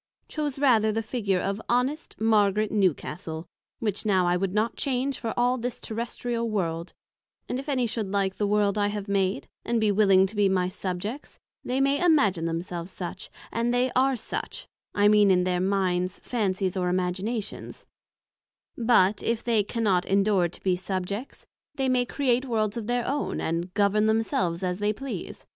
chose rather the figure of Honest Margaret Newcastle, which now I would not change for all this Terrestrial World; and if any should like the World I have made, and be willing to be my Subjects, they may imagine themselves such, and they are such, I mean in their Minds, Fancies or Imaginations; but if they cannot endure to be Subjects, they may create Worlds of their own, and Govern themselves as they please.